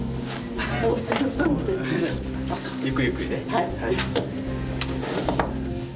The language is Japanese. はい。